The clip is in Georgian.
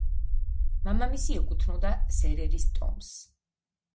მამამისი ეკუთვნოდა სერერის ტომს.